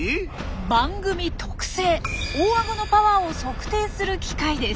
番組特製大アゴのパワーを測定する機械です。